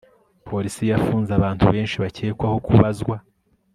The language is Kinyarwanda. polisi yafunze abantu benshi bakekwaho kubazwa